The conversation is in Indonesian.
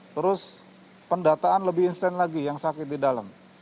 terus pendataan lebih instan lagi yang sakit di dalam